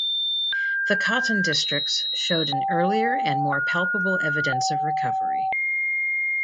The cotton districts showed an earlier and more palpable evidence of recovery.